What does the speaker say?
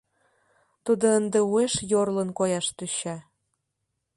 Тудо ынде уэш йорлын кояш тӧча.